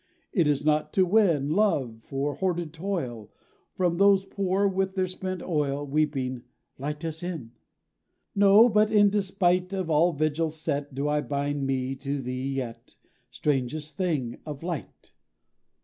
It is not to win Love, for hoarded toil, From those poor, with their spent oil, weeping, 'Light us in!' No; but in despite Of all vigils set, Do I bind me to thee yet, strangest thing of Light!